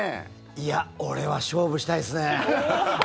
いや俺は勝負したいですね。